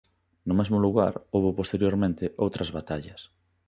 No mesmo lugar houbo posteriormente outras batallas.